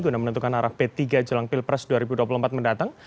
guna menentukan arah p tiga jelang pilpres dua ribu dua puluh empat mendatang